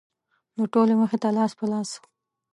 د ټولو مخې ته لاس په لاس.